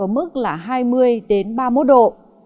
ở mức là hai mươi ba mươi một độ